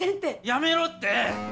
やめろって！